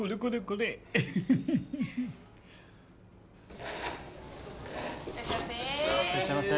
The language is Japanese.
いらっしゃいませ。